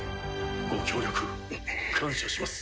ご協力感謝します。